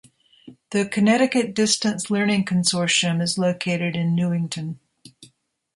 The Connecticut Distance Learning Consortium is located in Newington.